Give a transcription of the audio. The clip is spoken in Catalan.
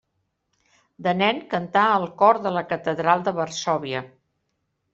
De nen cantà al cor de la catedral de Varsòvia.